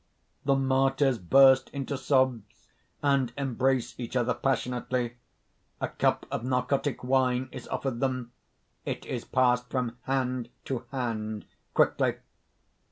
_The Martyrs burst into sobs, and embrace each other passionately. A cup of narcotic wine is offered them. It is passed from hand to hand, quickly.